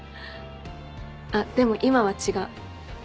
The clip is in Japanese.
あっでも今は違う。